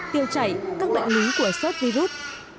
điều chảy các bệnh lý của sớt virus